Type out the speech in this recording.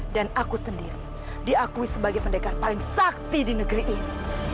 dan aku sendiri diakui sebagai pendekat paling sakti di negeri ini